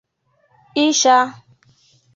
ịsha